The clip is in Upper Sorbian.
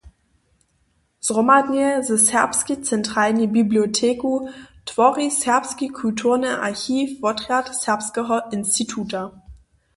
Zhromadnje ze Serbskej centralnej biblioteku twori Serbski kulturny archiw wotrjad Serbskeho instituta.